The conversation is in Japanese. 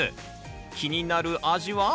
気になる味は？